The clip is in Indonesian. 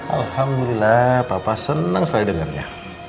alhamdulillah papa senang sekali dengarnya